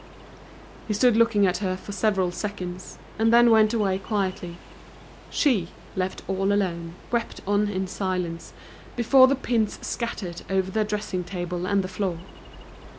He stood looking at her for several seconds, and then went away quietly. She, left all alone, wept on in silence, before the pins scattered over the dressing table and the floor.